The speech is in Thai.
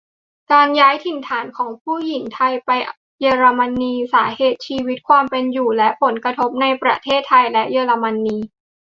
การย้ายถิ่นของผู้หญิงไทยไปเยอรมนี : สาเหตุ ชีวิตความเป็นอยู่ และผลกระทบในประเทศไทยและเยอรมนี.